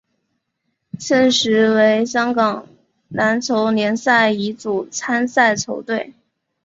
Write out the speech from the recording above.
现时为香港篮球联赛乙组参赛球队。